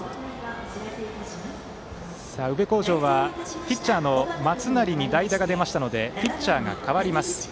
宇部鴻城はピッチャーの松成に代打が出ましたのでピッチャーが代わります。